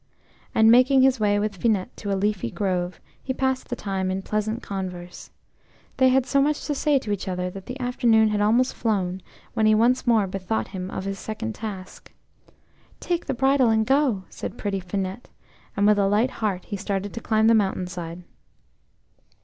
And making his way with Finette to a leafy grove, he passed the time in pleasant converse. They had so much to say to each other that the afternoon had almost flown when he once more bethought him of his second task. "Take the bridle and go," said pretty Finette; and with a light heart he started to climb the mountain side.